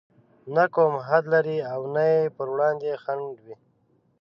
نه کوم حد لري او نه يې پر وړاندې خنډ وي.